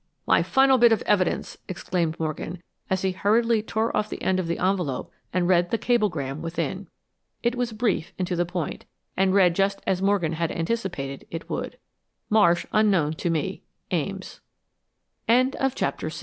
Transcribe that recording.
"My final bit of evidence!" exclaimed Morgan, as he hurriedly tore off the end of the envelope and read the cablegram within. It was brief and to the point, and read just as Morgan had anticipated it would. Marsh unknown to me. Ames. CHAPTER VII MR.